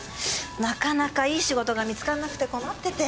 なかなかいい仕事が見つからなくて困ってて。